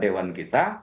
dan dewan kita